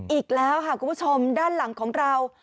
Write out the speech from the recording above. อีกแล้วค่ะคุณผู้ชมด้านหลังของเรา